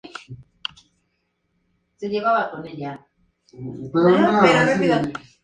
En el otoño de ese año, comenzó a componer una nueva obra.